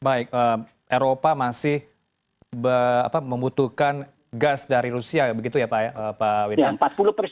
baik eropa masih membutuhkan gas dari rusia begitu ya pak witan